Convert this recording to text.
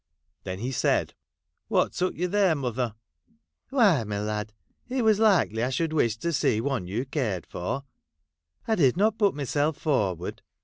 Then he said, ' What took you there, mother ?'' Why, my lad, it was likely I should wish to see one you cared for ; I did not put myself forward.